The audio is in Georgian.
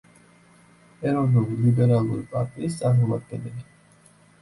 ეროვნულ-ლიბერალური პარტიის წარმომადგენელი.